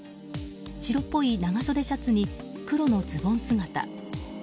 白っぽい長袖シャツに黒いズボン姿。